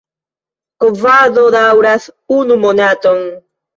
Kovado daŭras unu monaton.